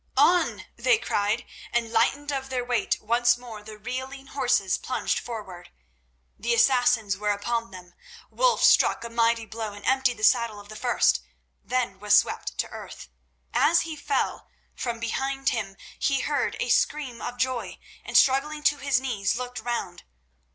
"On!" they cried, and lightened of their weight, once more the reeling horses plunged forward. The Assassins were upon them. Wulf struck a mighty blow and emptied the saddle of the first, then was swept to earth. As he fell from behind him he heard a scream of joy, and struggling to his knees, looked round.